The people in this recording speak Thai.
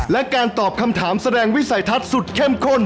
และการตอบคำถามแสดงวิสัยทัศน์สุดเข้มข้น